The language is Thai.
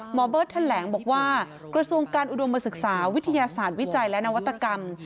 หมอเบิร์ตแถลงบอกว่ากระทรวงการอุดมศึกษาวิทยาศาสตร์วิจัยและนวัตกรรม